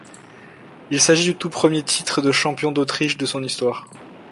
Il s'agit du tout premier titre de champion d'Autriche de son histoire.